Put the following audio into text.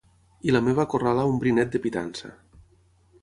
I l’ameba acorrala un brinet de pitança.